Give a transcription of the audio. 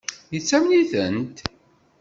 Yettamen-itent?